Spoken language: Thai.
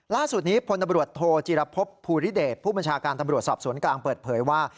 ล่าสุดนี้พลตำรวจโทจีรพบภูริเดชผู้บัญชาการตำรวจสอบสวนกลางเปิดเผยว่า